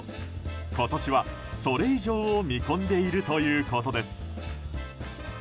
今年はそれ以上を見込んでいるということです。